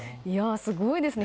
すごいですね。